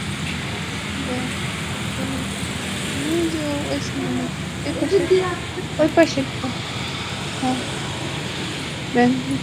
ব্যাংকগুলোতে সুশাসনের অভাব প্রকট এবং পর্ষদ যথাযথ ভূমিকা পালন করছে না।